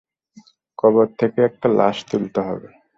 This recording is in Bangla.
কবর থেকে একটা লাশ তুলতে হবে!